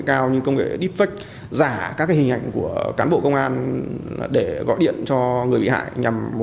cao như công nghệ deepfake giả các hình ảnh của cán bộ công an để gọi điện cho người bị hại nhằm